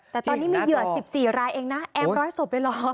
แต่ตอนนี้มีเหยื่อ๑๔รายเองนะแอม๑๐๐ศพเลยเหรอ